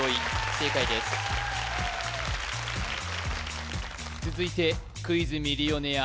正解です続いて「クイズ＄ミリオネア」